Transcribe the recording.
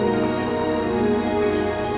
gak usah lo nyesel